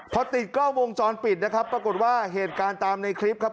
พอติดกล้องวงจรปิดนะครับปรากฏว่าเหตุการณ์ตามในคลิปครับ